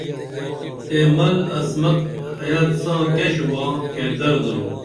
ایمل عصمت خیات ساں کیہ شُوباں کردر درو